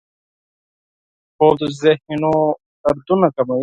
خوب د ذهنو دردونه کموي